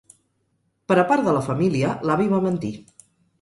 Per a part de la família, l'avi va mentir.